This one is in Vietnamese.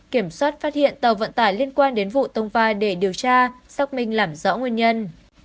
kiểm soát phát hiện tàu vận tải liên quan đến vụ tông va để điều tra xác minh làm rõ nguyên nhân